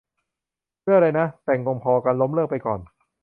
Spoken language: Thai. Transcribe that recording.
เลือกได้นะ แต่งงพอกัน ล้มเลิกไปก่อน